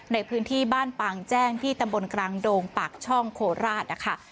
ในพื้นที่บ้านปางแจ้งที่ตำบลกลางโดงปากช่องโคราชนะคะ